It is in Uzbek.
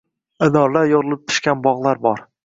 Anorlar yorilib pishgan bog‘lar bor.